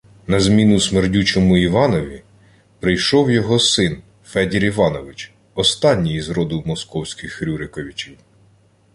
На зміну «смердючому» Іванові прийшов його син – Федір Іванович, останній із роду московських Рюриковичів